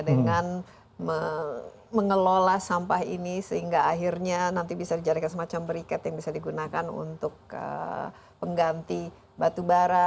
dengan mengelola sampah ini sehingga akhirnya nanti bisa dijadikan semacam berikat yang bisa digunakan untuk pengganti batu bara